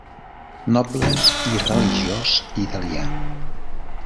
Noble i religiós italià.